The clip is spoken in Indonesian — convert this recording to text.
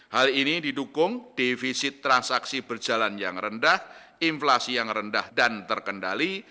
hal ini didukung defisit transaksi berjalan yang rendah inflasi yang rendah dan terkendali